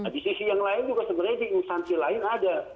di sisi yang lain juga sebenarnya di instansi lain ada